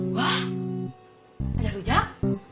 wah ada rujak